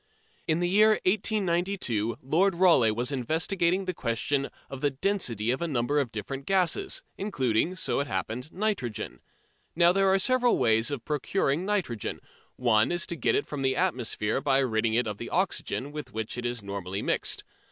In the year 1892 Lord Rayleigh was investigating the question of the density of a number of different gases, including, so it happened, nitrogen. Now there are several ways of procuring nitrogen. One is to get it from the atmosphere by ridding it of the oxygen with which it is normally mixed.